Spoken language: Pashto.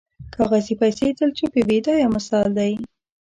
کاغذي پیسې تل چوپې وي دا یو مثال دی.